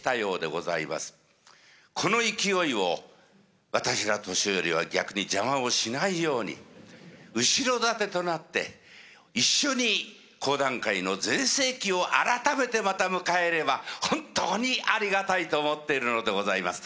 この勢いを私ら年寄りは逆に邪魔をしないように後ろ盾となって一緒に講談界の全盛期を改めてまた迎えれば本当にありがたいと思っているのでございます。